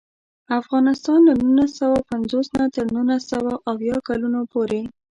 افغانستان له نولس سوه پنځوس نه تر نولس سوه اویا کلونو پورې.